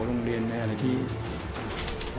โรงเรียนอะไรที่อื่น